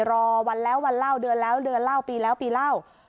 รอวันแล้ววันเล่าเดือนแล้วเดือนเล่าปีแล้วปีเล่า